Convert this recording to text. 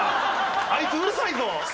あいつうるさいぞ！